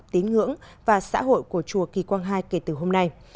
tín ngưỡng và xã hội của chùa kỳ quang hai kể từ hôm nay